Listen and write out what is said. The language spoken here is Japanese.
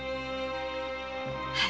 はい。